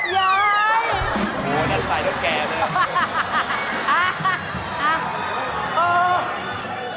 นั่นใกล้แบบแก่นึง